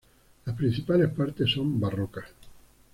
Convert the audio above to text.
Las principales partes son barrocas.